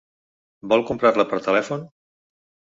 Vol comprar-la per telèfon?